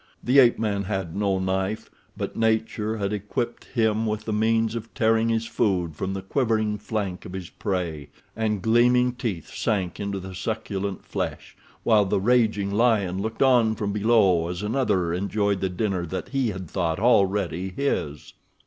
The ape man had no knife, but nature had equipped him with the means of tearing his food from the quivering flank of his prey, and gleaming teeth sank into the succulent flesh while the raging lion looked on from below as another enjoyed the dinner that he had thought already his.